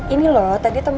ini loh tadi tau gue